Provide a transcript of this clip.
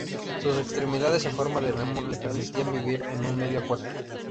Sus extremidades en forma de remo le permitían vivir en un medio acuático.